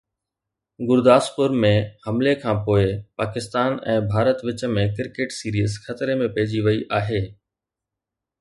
گورداسپور ۾ حملي کانپوءِ پاڪستان ۽ ڀارت وچ ۾ ڪرڪيٽ سيريز خطري ۾ پئجي وئي آهي